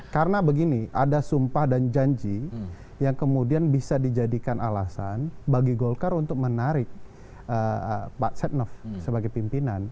karena begini ada sumpah dan janji yang kemudian bisa dijadikan alasan bagi golkar untuk menarik pak setnov sebagai pimpinan